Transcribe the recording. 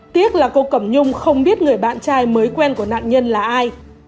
tiếc là cô cẩm nhung không biết người bạn trai mới quen của nạn nhân là ai